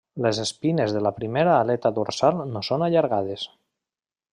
Les espines de la primera aleta dorsal no són allargades.